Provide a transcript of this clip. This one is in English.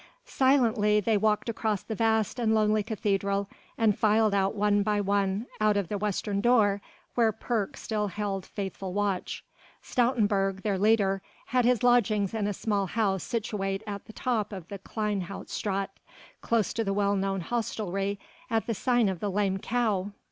Silently they walked across the vast and lonely cathedral and filed one by one out of the western door where Perk still held faithful watch. Stoutenburg, their leader, had his lodgings in a small house situate at the top of the Kleine Hout Straat, close to the well known hostelry at the sign of the "Lame Cow."